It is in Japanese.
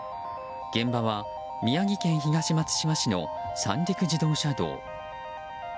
現場は宮城県東松島市の三陸自動車道。